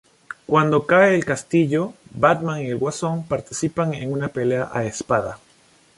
Cuando cae el castillo, Batman y el Guasón participan en una pelea a espada.